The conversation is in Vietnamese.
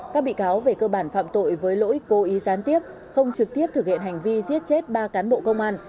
các bị cáo về cơ bản phạm tội với lỗi cố ý gián tiếp không trực tiếp thực hiện hành vi giết chết ba cán bộ công an